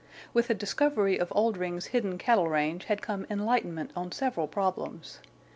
With the discovery of Oldring's hidden cattle range had come enlightenment on several problems.